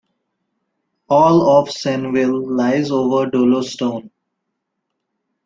All of Senneville lies over dolostone.